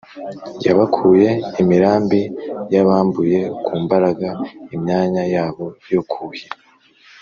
Yabakuye imirambi: Yabambuye ku mbaraga imyanya yabo yo kuhira.